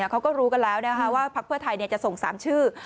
เขาก็รู้กันแล้วนะคะว่าภาคเพื่อไทยเนี่ยจะส่งสามชื่อ